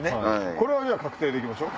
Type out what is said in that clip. これはじゃ確定で行きましょう。